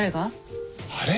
あれ？